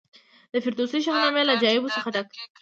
د فردوسي شاهنامه له عجایبو څخه ډکه ده.